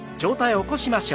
起こしましょう。